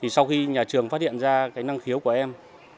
sau khi nhà trường phát hiện ra năng khiếu của em